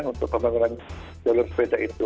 untuk pembangunan jalur sepeda itu